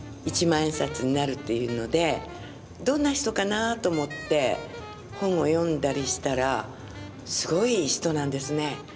一万円札になるというのでどんな人かなと思って本を読んだりしたらすごい人なんですね。